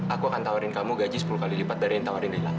aku akan tawarin kamu gaji sepuluh kali lipat dari yang ditawarin lila